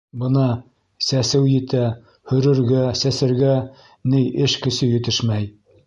- Бына... сәсеү етә... һөрөргә, сәсергә... ней эш көсө етешмәй.